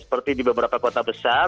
seperti di beberapa kota besar